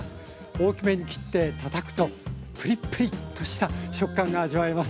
大きめに切ってたたくとプリプリッとした食感が味わえます。